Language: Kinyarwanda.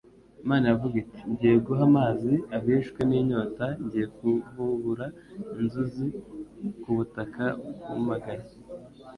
Imana iravuga iti, “Ngiye guha amazi abishwe n'inyota, ngiye kuvubura inzuzi ku butaka bwumagaye